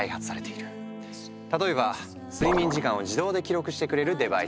例えば睡眠時間を自動で記録してくれるデバイス。